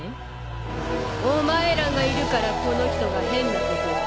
お前らがいるからこの人が変なことを考えるんだ。